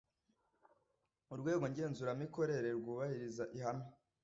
Urwego ngenzuramikorere rwubahiriza ihame